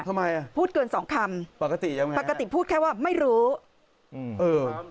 ทำไมพูดเกินสองคำปกติพูดแค่ว่าไม่รู้ปกติยังไง